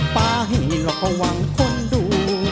ป่าเห็นแล้วก็หวังคนดู